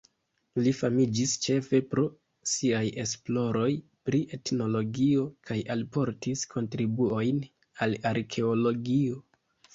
Li famiĝis ĉefe pro siaj esploroj pri etnologio kaj alportis kontribuojn al arkeologio.